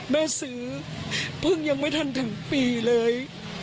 แม่ซื้อเพิ่งยังไม่ทันถึงปีเลย